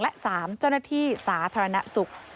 และ๓เจ้าหน้าที่สาธารณสุข